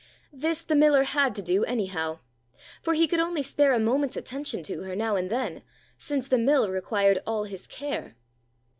This the miller had to do, anyhow. For he could only spare a moment's attention to her now and then, since the mill required all his care.